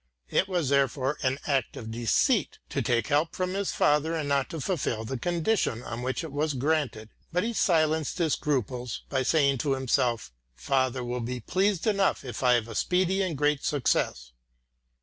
It was, therefore, an act of deceit to take help from his father and not to fulfil the conditions on which it was granted. But he silenced his scruples by saying to himself, "Father will be pleased enough if I have a speedy and great success."